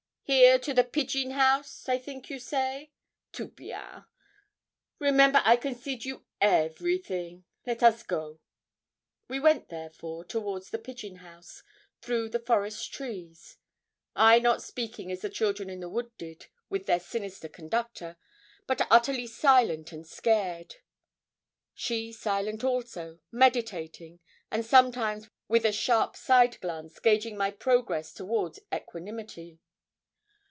Here to the peegeon house? I think you say. Tout bien! Remember I concede you everything. Let us go.' We went, therefore, towards the pigeon house, through the forest trees; I not speaking as the children in the wood did with their sinister conductor, but utterly silent and scared; she silent also, meditating, and sometimes with a sharp side glance gauging my progress towards equanimity.